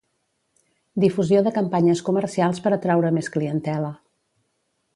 Difusió de campanyes comercials per atraure més clientela